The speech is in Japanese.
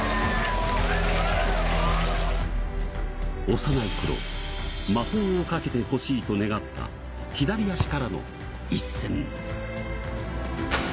幼い頃、魔法をかけてほしいと願った左足からの一閃。